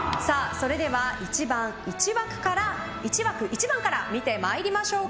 それでは１枠１番から見てまいりましょう。